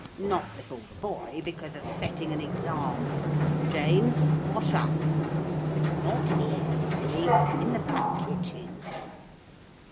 Not before the boy because of setting an example. James, wash up. Not here, silly; in the back kitchen.'